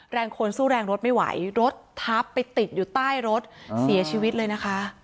แรงคนสู้แรงรถไม่ไหวรถทับไปติดอยู่ใต้รถเสียชีวิตเลยนะคะ